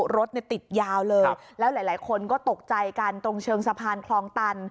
รถเนี่ยติดยาวเลยแล้วหลายคนก็ตกใจกันตรงเชิงสะพานคลองตัน